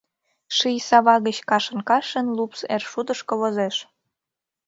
Ший сава гыч кашын-кашын Лупс эр шудышко возеш.